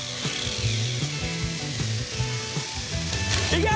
いけ！